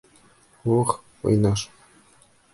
Ух, уйнаш!